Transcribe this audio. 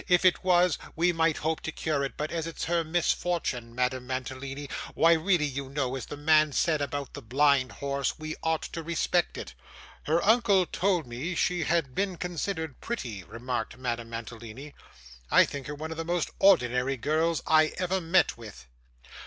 If it was, we might hope to cure it; but as it's her misfortune, Madame Mantalini, why really you know, as the man said about the blind horse, we ought to respect it.' 'Her uncle told me she had been considered pretty,' remarked Madame Mantalini. 'I think her one of the most ordinary girls I ever met with.